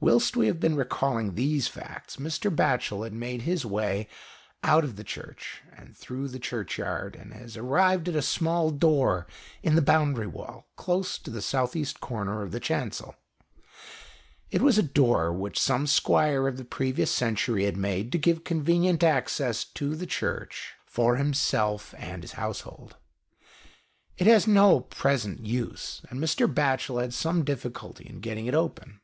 Whilst we have been recalling these facts, Mr. Batchel has made his way out of the Church and through the Churchyard, and has arrived at a small door in the boundary wall, close to the 8.B. corner of the chancel. It was a door which some Squire of the previous century had made, to give convenient access to the Church for 68 THE EASTERK WINDOW. himself and his household. It has no present use, and Mr. Batchel had some difficulty in getting it open.